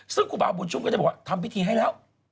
ซึ่งครูบาบุญชุมก็ได้บอกว่าทำพิธีให้แล้ว